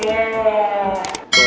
papa udah deh